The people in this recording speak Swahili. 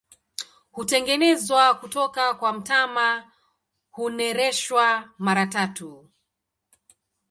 Hutengenezwa kutoka kwa mtama, hunereshwa mara tatu.